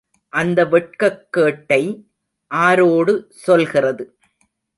அந்த வெட்கக்கேட்டை ஆரோடு சொல்கிறது?